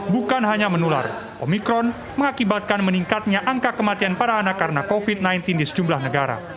bukan hanya menular omikron mengakibatkan meningkatnya angka kematian para anak karena covid sembilan belas di sejumlah negara